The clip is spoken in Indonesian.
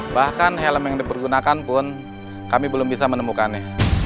bahkan helm yang dipergunakan pun kami belum bisa menemukannya